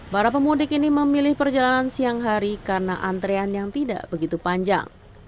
para pemudik ini memilih perjalanan siang hari karena antrean yang tidak begitu panjang